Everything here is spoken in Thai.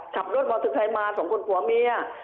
ขับรถมาถึงไทยมาสองคนผัวเมีย